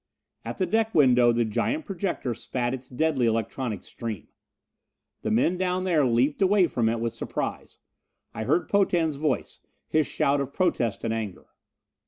At the deck window the giant projector spat its deadly electronic stream. The men down there leaped away from it with surprise. I heard Potan's voice, his shout of protest and anger.